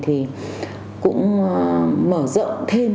thì cũng mở rộng thêm